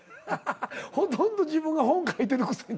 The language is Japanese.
ほとんど自分が本書いてるくせに？